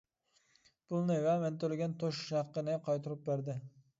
پۇلنى ۋە مەن تۆلىگەن توشۇش ھەققىنى قايتۇرۇپ بەردى.